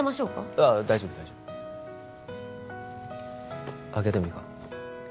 ああ大丈夫大丈夫開けてもいいか？